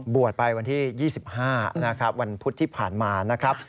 บวชไปวันที่๒๕วันพุธที่ผ่านมา